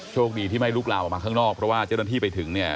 โชคดีที่ไม่ลุกลามออกมาข้างนอกเพราะว่าเจ้าหน้าที่ไปถึงเนี่ย